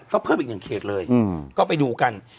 ก็เพิ่มอีกหนึ่งเขตเลยก็ไปดูกัน